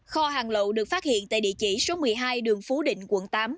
kho hàng lậu được phát hiện tại địa chỉ số một mươi hai đường phú định quận tám